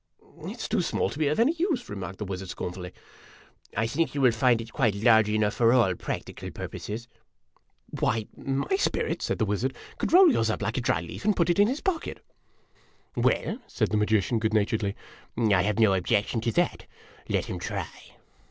" It 's too small to be of any use," remarked the wiz ard, scornfully. "I think you will find it quite large enough for all prac tical purposes." "Why, my spi rit," said the wiz ard, " could roll yours up like a dry leaf and put it in his pocket !" "Well, "said the magician. o ood o o natureclly, "I have no objection to that ; let him try."